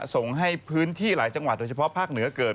ส่งให้พื้นที่หลายจังหวัดโดยเฉพาะภาคเหนือเกิด